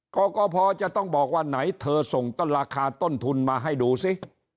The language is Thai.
กกพจะต้องบอกว่าไหนเธอส่งต้นราคาต้นทุนมาให้ดูสิ